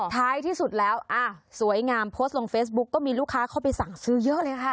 ท้ายที่สุดแล้วอ่ะสวยงามโพสต์ลงเฟซบุ๊กก็มีลูกค้าเข้าไปสั่งซื้อเยอะเลยค่ะ